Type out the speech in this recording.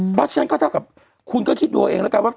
เพราะฉะนั้นก็เท่ากับคุณก็คิดดูเอาเองแล้วกันว่า